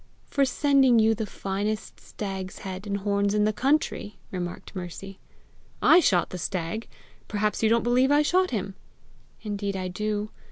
"For sending you the finest stag's head and horns in the country!" remarked Mercy. "I shot the stag! Perhaps you don't believe I shot him!" "Indeed I do!